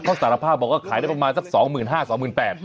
เขาสารภาพบอกว่าขายได้ประมาณสัก๒๕๐๐๒๘๐๐บาท